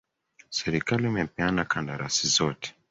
Serikali imepeana kandarasi zote